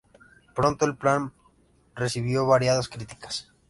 Pronto el plan recibió variadas críticas.